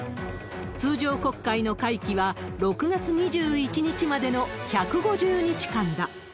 通常国会の会期は６月２１日までの１５０日間だ。